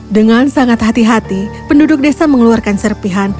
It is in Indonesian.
dengan sangat hati hati penduduk desa mengeluarkan serpihan